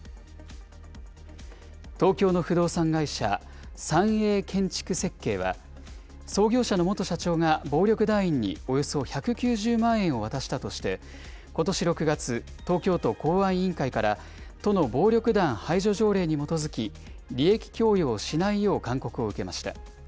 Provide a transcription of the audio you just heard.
東京の不動産会社、三栄建築設計は、創業者の元社長が暴力団員におよそ１９０万円を渡したとして、ことし６月、東京都公安委員会から、都の暴力団排除条例に基づき、利益供与をしないよう勧告を受けました。